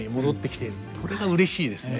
これがうれしいですね。